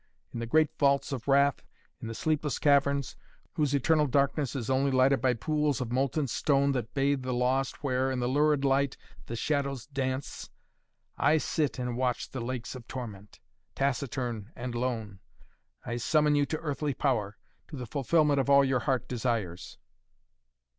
In the great vaults of wrath, in the sleepless caverns, whose eternal darkness is only lighted by pools of molten stone that bathe the lost, where, in the lurid light, the shadows dance I sit and watch the lakes of torment, taciturn and lone. I summon you to earthly power to the fulfillment of all your heart desires!"